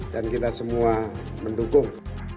dan kita semua mendukung